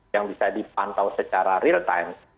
yang bisa dipantau secara real time